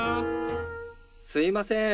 ・すいません。